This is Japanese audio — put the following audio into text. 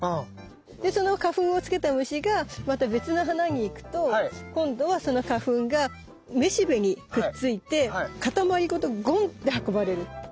でその花粉をつけた虫がまた別の花に行くと今度はその花粉がめしべにくっついてかたまりごとゴンって運ばれる。